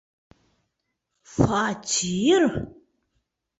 Фатир?!